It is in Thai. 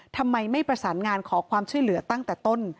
ทำไมไม่ประสานงานขอความช่วยเหลือตั้งแต่ต้น